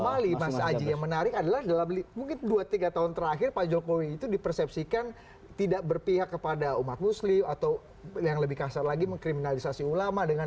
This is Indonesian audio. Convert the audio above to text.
mas ali mas aji yang menarik adalah dalam mungkin dua tiga tahun terakhir pak jokowi itu dipersepsikan tidak berpihak kepada umat muslim atau yang lebih kasar lagi mengkriminalisasi ulama dengan